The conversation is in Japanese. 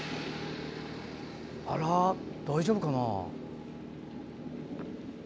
あら、大丈夫かな？